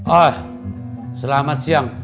oi selamat siang